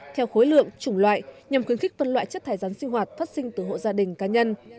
theo khối lượng chủng loại nhằm khuyến khích phân loại chất thải rắn sinh hoạt phát sinh từ hộ gia đình cá nhân